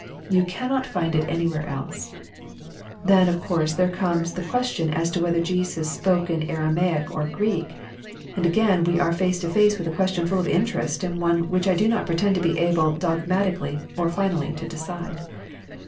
You cannot find it anywhere else. Then of course there comes the question as to whether Jesus spoke in Aramaic or Greek, and again we are face to face with a question full of interest, and one which I do not pretend to be able dogmatically or finally to decide.